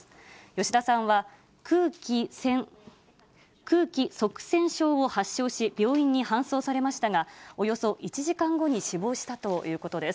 吉田さんは空気塞栓症を発症し、病院に搬送されましたが、およそ１時間後に死亡したということです。